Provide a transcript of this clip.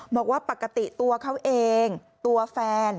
บอกว่าปกติตัวเขาเองตัวแฟน